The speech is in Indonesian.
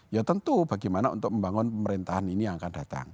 ya tentu bagaimana untuk membangun pemerintahan ini yang akan datang